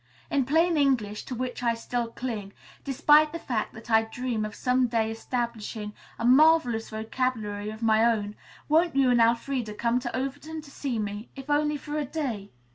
In plain English, to which I still cling, despite the fact that I dream of some day establishing a marvelous vocabulary of my own, won't you and Elfreda come to Overton to see me, if only for a day?